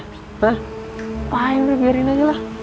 ngapain lu biarin aja lah